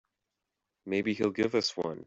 Maybe he'll give us one.